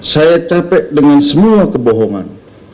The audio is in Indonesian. saya capek dengan semua kebohongan